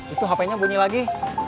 itu hp nya bunyi lagi